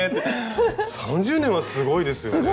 ３０年はすごいですよね。